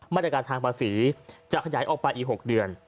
มาตรการทางภาษีจะขยายออกไปอีก๖เดือน